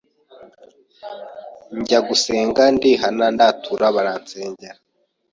njya gusenga ndihana ndatura baransengera